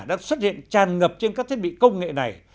đã xuất hiện tràn ngập trên các thiết bị công nghệ này